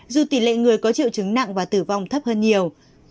dù tỷ lệ người có triệu chứng nặng và tử vong thấp hơn nhiều